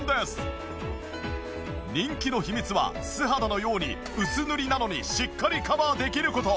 人気の秘密は素肌のように薄塗りなのにしっかりカバーできる事。